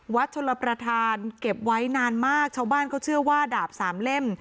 ชลประธานเก็บไว้นานมากชาวบ้านเขาเชื่อว่าดาบสามเล่ม